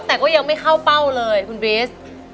แต่ก็ยังไม่เข้าเป้าเลยคุณบริส